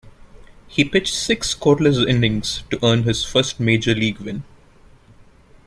He pitched six scoreless innings to earn his first major league win.